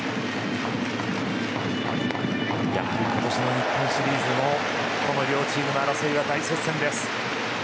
やはり今年の日本シリーズもこの両チームの争いは大接戦です。